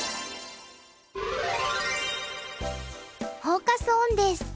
フォーカス・オンです。